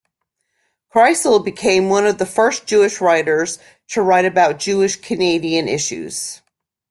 Kreisel became one of the first Jewish writers to write about Jewish-Canadian issues.